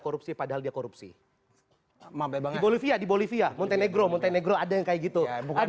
korupsi padahal dia korupsi bang bolivia di bolivia montenegro montenegro ada yang kayak gitu bukan